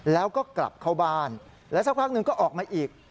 แล้วก็กลับเข้าบ้านแล้วสักพักหนึ่งก็ออกมาอีก